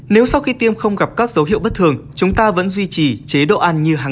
nếu sau khi tiêm không gặp các dấu hiệu bất thường chúng ta vẫn duy trì chế độ ăn như hàng